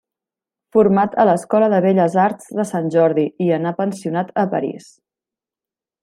Format a l'Escola de Belles Arts de Sant Jordi i anà pensionat a París.